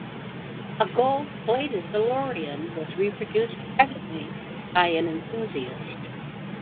A gold-plated DeLorean was reproduced privately by an enthusiast.